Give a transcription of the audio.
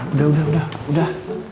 udah udah udah